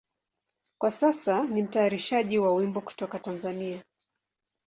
Kwa sasa ni mtayarishaji wa nyimbo kutoka Tanzania.